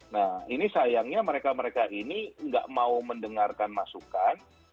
nah ini sayangnya mereka mereka ini nggak mau mendengarkan masukan